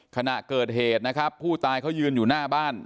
ขณะเกิดเหตุนะครับผู้ตายเขายืนอยู่หน้าบ้าน